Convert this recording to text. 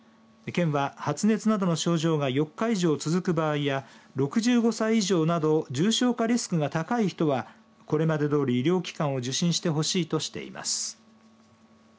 県は発熱などの症状が４日以上続く場合や６５歳以上など重症化リスクが高い人はこれまでどおり医療機関を受診してほしいとしています。